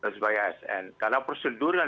sebagai asn karena prosedur yang